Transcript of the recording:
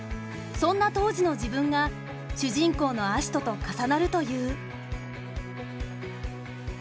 そんな当時の自分が主人公の葦人と重なるという。